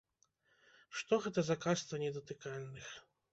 Што гэта за каста недатыкальных?